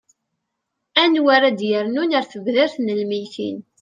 anwa ara d-yernun ar tebdart n lmeyytin